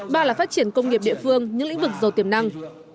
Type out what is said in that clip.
ba là phát triển công nghiệp địa phương những lĩnh vực giàu tiềm năng